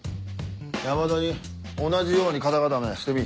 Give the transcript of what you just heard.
山田に同じように肩固めしてみ。